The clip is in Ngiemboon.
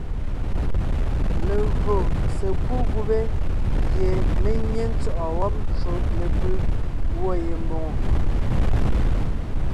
Legÿo sekúd gubé gie mé nyé ntsɔ̂ʼɔ wɔ́b ncwò lepʉ́ gwɔ̂ ye mbòŋo,